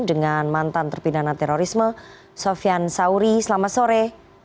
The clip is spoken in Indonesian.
dengan mantan terpidana terorisme sofian sauri selamat sore